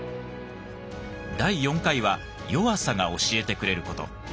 第４回は「弱さが教えてくれること」。